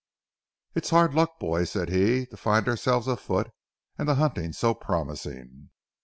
"It's hard luck, boys," said he, "to find ourselves afoot, and the hunting so promising.